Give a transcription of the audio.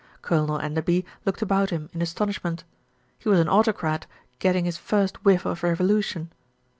Colonel Enderby looked about him in astonishment. He was an autocrat getting his first whiff of revo lution.